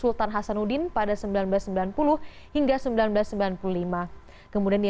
lti fajar prasetyo sempp